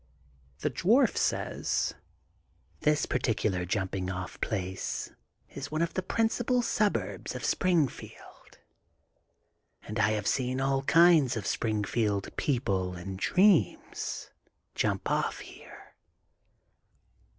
The Dwarf says: This particular Jump ing off Place is one of the principal suburbs of Springfield, and I have seen all kinds of Springfield people and dreams jump off here.